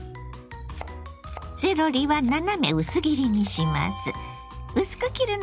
セロリは斜め薄切りにします。